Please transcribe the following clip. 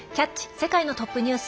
世界のトップニュース」。